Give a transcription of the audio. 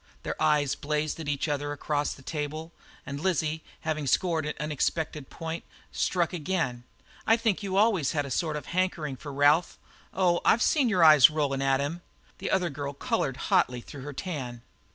Their eyes blazed at each other across the table, and Lizzie, having scored an unexpected point, struck again. "I think you've always had a sort of hankerin' after Ralph oh, I've seen your eyes rollin' at him." The other girl coloured hotly through her tan.